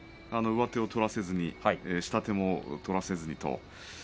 上手を取らせずに下手も取らせずにと。